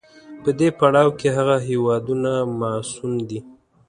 په دې پړاو کې هغه هېوادونه مصون دي.